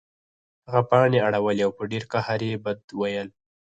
هغه پاڼې اړولې او په ډیر قهر یې بد ویل